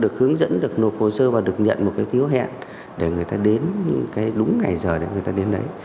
được hướng dẫn được nộp hồ sơ và được nhận một cái phiếu hẹn để người ta đến cái đúng ngày giờ để người ta đến đấy